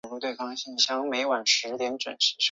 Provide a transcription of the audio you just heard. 郑绥挟持黎槱退往安朗县。